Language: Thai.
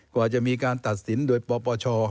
กว่าจะมีการตัดสินโดยปปช